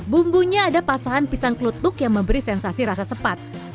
bumbunya ada pasahan pisang kelutuk yang memberi sensasi rasa sepat